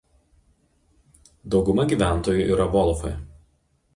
Dauguma gyventojų yra volofai.